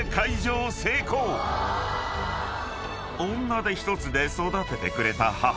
［女手一つで育ててくれた母］